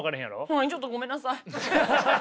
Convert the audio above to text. はいちょっとごめんなさい。